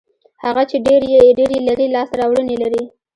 هغه چې ډېر یې لري لاسته راوړنې لري.